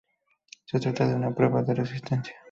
Se trataba de una prueba de resistencia.